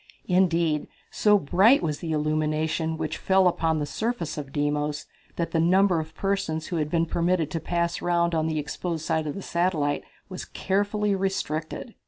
Indeed, so brilliant was the illumination which fell upon the surface of Deimos that the number of persons who had been permitted to pass around upon the exposed side of the satellite was carefully restricted.